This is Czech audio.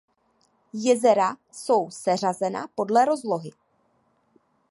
Jezera jsou seřazena podle rozlohy.